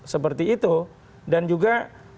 seperti itu dan juga